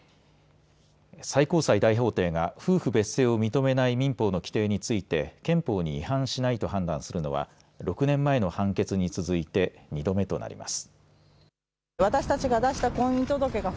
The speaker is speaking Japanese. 最高裁大法廷が夫婦別姓を認めない民法の規定について憲法に違反しないと判断するのは６年前の判決に続いて２度目となります。